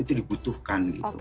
itu dibutuhkan gitu